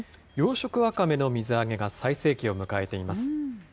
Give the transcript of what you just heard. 養殖ワカメの水揚げが最盛期を迎えています。